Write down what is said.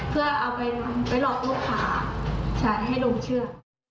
เพื่อเอาไปหลอกลูกค้าใช้ให้ลงชื่อ